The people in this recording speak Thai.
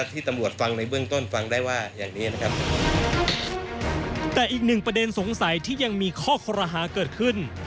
แต่อีกหนึ่งประเด็นสงสัยที่ยังมีข้อครราฮาเกิดขึ้น